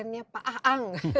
kerennya pak aang